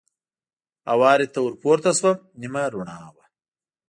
هوارې ته ور پورته شوم، نیمه رڼا وه.